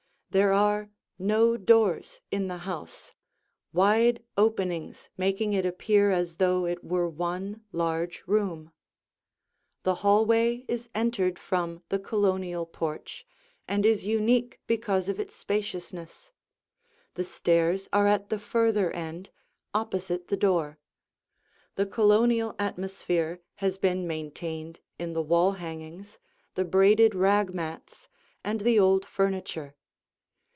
There are no doors in the house, wide openings making it appear as though it were one large room. The hallway is entered from the Colonial porch and is unique because of its spaciousness. The stairs are at the further end, opposite the door. The Colonial atmosphere has been maintained in the wall hangings, the braided rag mats, and the old furniture.